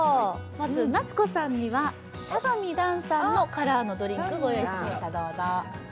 まず夏子さんには佐神弾さんのカラ−のドリンクご用意しました。